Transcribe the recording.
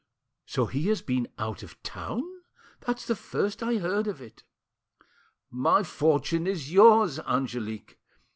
So he has been out of town? That's the first I heard of it." "My fortune is yours, Angelique!